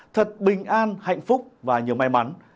thật bình an hạnh phúc và nhiều may mắn